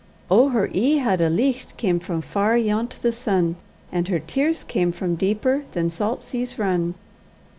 Oh, her ee had a licht cam frae far 'yont the sun, And her tears cam frae deeper than salt seas run!